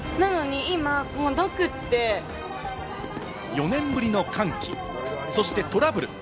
４年ぶりの歓喜、そしてトラブル。